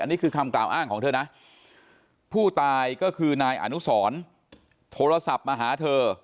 นี่คือคำกล่าวอ้างของเธอนะผู้ตายก็คือนายอนุสรโทรศัพท์มาหาเธอ